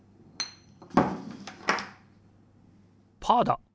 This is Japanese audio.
パーだ！